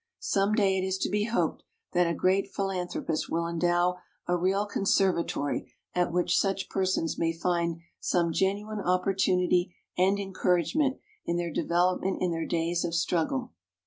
Some day it is to be hoped that a great philanthropist will endow a real con INTRODUCTION 21 servatory at which such persons may find some genuine opportunity and encourage ment in their development in their days of struggle.